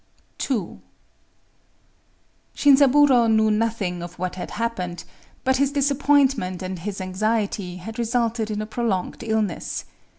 II Shinzaburō knew nothing of what had happened; but his disappointment and his anxiety had resulted in a prolonged illness.